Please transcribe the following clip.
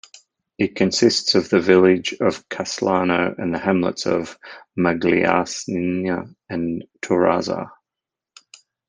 It consists of the village of Caslano and the hamlets of Magliasina and Torrazza.